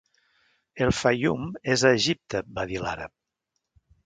"El Faium és a Egipte" va dir l'àrab.